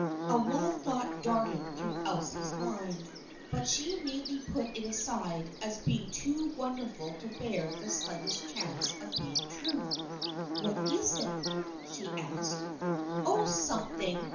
A wild thought darted through Elsie's mind, but she immediately put it aside as being too wonder ful to bear the slightest chance of being true. " What is it?" she asked. " Oh, something